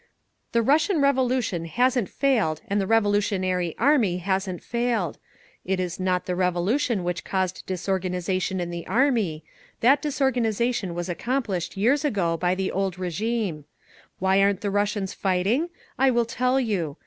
"The Russian Revolution hasn't failed and the revolutionary Army hasn't failed. It is not the Revolution which caused disorganisation in the army—that disorganisation was accomplished years ago, by the old regime. Why aren't the Russians fighting? I will tell you.